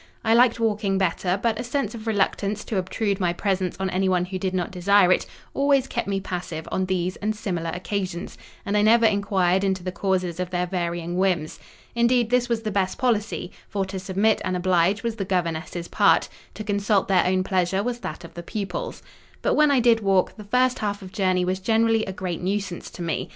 I liked walking better, but a sense of reluctance to obtrude my presence on anyone who did not desire it, always kept me passive on these and similar occasions; and I never inquired into the causes of their varying whims. Indeed, this was the best policy—for to submit and oblige was the governess's part, to consult their own pleasure was that of the pupils. But when I did walk, the first half of journey was generally a great nuisance to me.